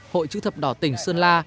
hội chữ thập đỏ tỉnh sơn la